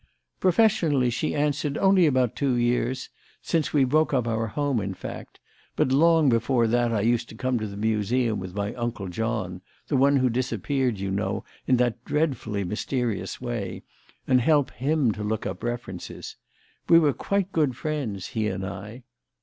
"Professionally," she answered, "only about two years; since we broke up our home, in fact. But long before that I used to come to the Museum with my Uncle John the one who disappeared, you know, in that dreadfully mysterious way and help him to look up references. We were quite good friends, he and I."